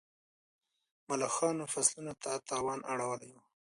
ملخانو فصلونو ته تاوان اړولی و.